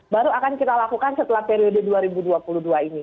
baru akan kita lakukan setelah periode dua ribu dua puluh dua ini